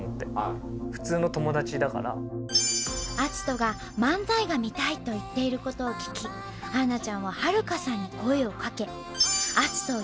篤人が「漫才が見たい」と言っている事を聞き春菜ちゃんははるかさんに声をかけ。